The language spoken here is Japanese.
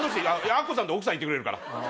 アッコさんと奥さん行ってくれるから。